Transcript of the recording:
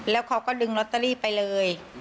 แล้วเขาก็ดึงลอตเตอรี่ไปเลย